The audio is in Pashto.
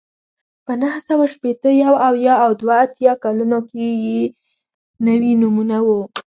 په نهه سوه شپېته، یو اویا او دوه اتیا کلونو کې نوي نومونه وو